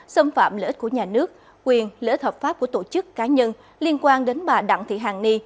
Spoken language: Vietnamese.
xâm phạm lợi ích của nhà nước quyền lợi ích hợp pháp của tổ chức cá nhân liên quan đến bà đặng thị hàng ni